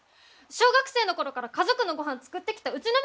小学生の頃から家族のごはん作ってきたうちの身にもなって！